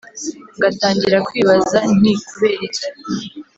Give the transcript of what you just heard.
ngatangira kwibaza nti kubera iki